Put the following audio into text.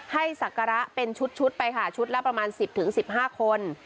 ศักระเป็นชุดไปค่ะชุดละประมาณ๑๐๑๕คน